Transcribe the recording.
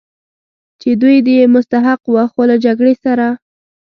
چې دوی یې مستحق و، خو له جګړې سره.